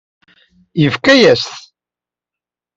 Yefka-yas-t.